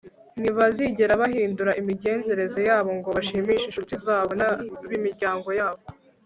ntibazigera bahindura imigenzereze yabo ngo bashimishe inshuti zabo n'ab'imiryango yabo